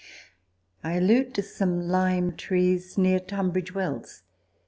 I allude to some lime trees near Tunbridge Wells.